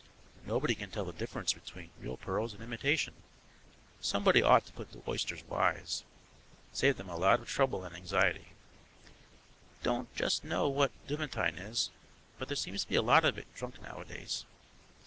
Nobody can tell the difference between real pearls and imitation; somebody ought to put the oysters wise. Save them a lot of trouble and anxiety. Don't know just what duvetyne is, but there seems to be a lot of it drunk nowadays.